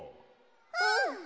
うん！